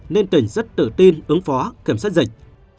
nên tỉnh rất tự tin ứng phó kiểm soát dịch